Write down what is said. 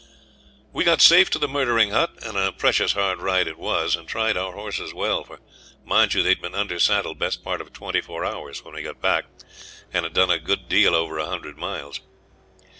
We got safe to the Murdering Hut, and a precious hard ride it was, and tried our horses well, for, mind you, they'd been under saddle best part of twenty four hours when we got back, and had done a good deal over a hundred miles.